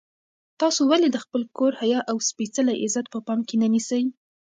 تاسو ولې د خپل کور حیا او سپېڅلی عزت په پام کې نه نیسئ؟